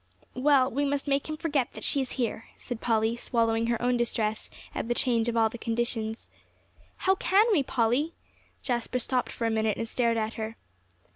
"Well, we must make him forget that she is here," said Polly, swallowing her own distress at the change of all the conditions. "How can we, Polly?" Jasper stopped for a minute and stared at her.